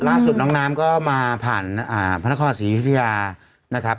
น้องน้ำก็มาผ่านพระนครศรียุธยานะครับ